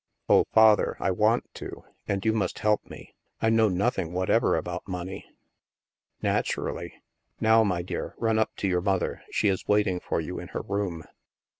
" Oh, Father, I want to. And you must help me. I know nothing whatever about money." " Naturally. Now, my dear, run up to your mother. . She is waiting for you in her room."